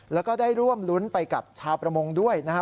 แล้วก็ได้ร่วมรุ้นไปกับชาวประมงด้วยนะครับ